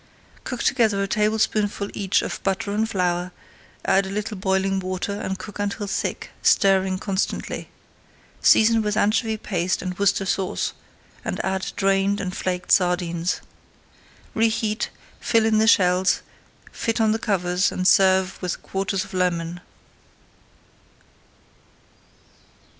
Cook together a tablespoonful each of butter and flour, add a little boiling water, and cook until thick, stirring constantly. Season with anchovy paste and Worcestershire Sauce, and add drained and flaked sardines. Reheat, fill the shells, fit on the covers, and serve with quarters of lemon.